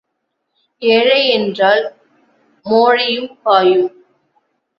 ஏழை என்றால் மோழையும் பாயும்.